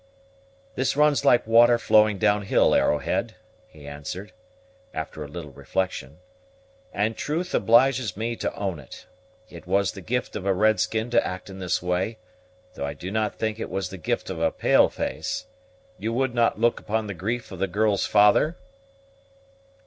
"This runs like water flowing down hill, Arrowhead," he answered, after a little reflection, "and truth obliges me to own it. It was the gift of a red skin to act in this way, though I do not think it was the gift of a pale face. You would not look upon the grief of the girl's father?"